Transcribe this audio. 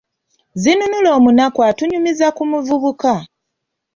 Zinunula omunaku atunyumiza ku muvubuka.